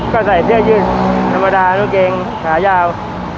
ก็ใส่เสื้อยืดธรรมดากางเกงขายาว